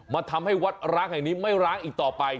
ทำให้วัดร้างแห่งนี้ไม่ร้างอีกต่อไป